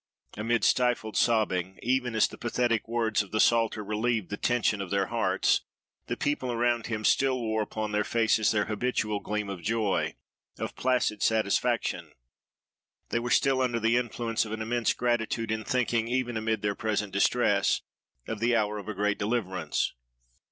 Amid stifled sobbing, even as the pathetic words of the psalter relieved the tension of their hearts, the people around him still wore upon their faces their habitual gleam of joy, of placid satisfaction. They were still under the influence of an immense gratitude in thinking, even amid their present distress, of the hour of a great deliverance.